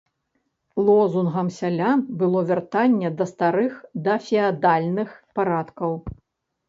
Лозунгам сялян было вяртанне да старых дафеадальных парадкаў.